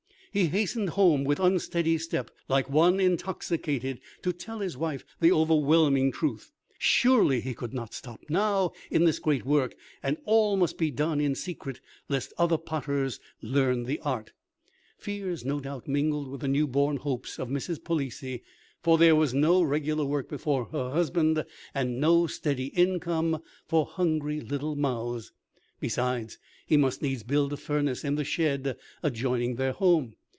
He hastened home with unsteady step, like one intoxicated, to tell his wife the overwhelming truth. Surely he could not stop now in this great work; and all must be done in secret, lest other potters learn the art. Fears, no doubt, mingled with the new born hopes of Mrs. Palissy, for there was no regular work before her husband, and no steady income for hungry little mouths. Besides, he must needs build a furnace in the shed adjoining their home.